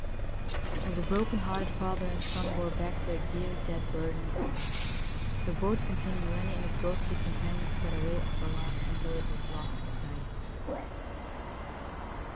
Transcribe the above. As the broken hearted father and son bore back their dear, dead burden, the boat containing Rennie and his ghostly com panion sped away up the loch until it was lost to sight.